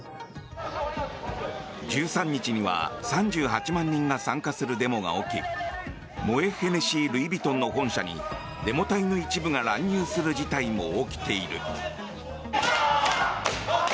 １３日には３８万人が参加するデモが起きモエ・ヘネシー・ルイ・ヴィトンの本社にデモ隊の一部が乱入する事態も起きている。